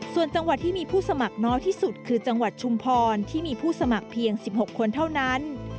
ส่วนจังหวัดที่มีผู้สมัครน้อยที่สุดคือจังหวัดชุมพรที่มีผู้สมัครเพียง๑๖คนเท่านั้น